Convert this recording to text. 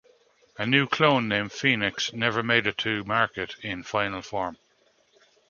A new clone named Phoenix never made it to market in final form.